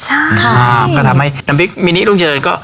ใช่ครับก็ทำให้น้ำพริกมินิรุ่งเจริญก็